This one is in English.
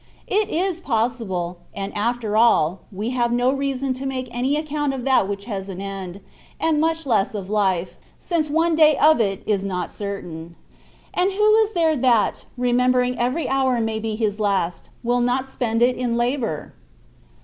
It is possible; and after all, we have no reason to make any account of that which has an end, and much less of life, since one day of it is not certain. And who is there that, remembering every hour may be his last, will not spend it in labour